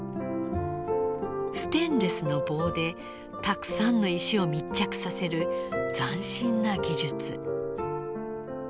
ステンレスの棒でたくさんの石を密着させる斬新な技術。